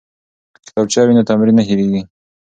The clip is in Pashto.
که کتابچه وي نو تمرین نه هیریږي.